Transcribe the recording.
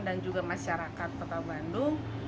dan juga masyarakat kota bandung